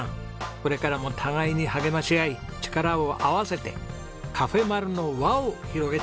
これからも互いに励まし合い力を合わせてカフェまる。の輪を広げていってください。